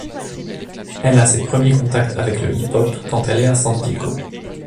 Elle a ses premiers contacts avec le hip-hop quand elle est à San Diego.